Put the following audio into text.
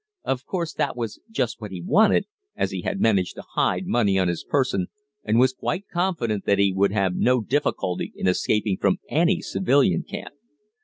Of course that was just what he wanted, as he had managed to hide money on his person and was quite confident that he would have no difficulty in escaping from any civilian camp.